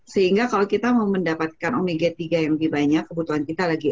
sehingga kalau kita mau mendapatkan omega tiga yang lebih banyak kebutuhan kita lagi